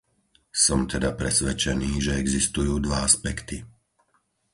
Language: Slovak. Som teda presvedčený, že existujú dva aspekty.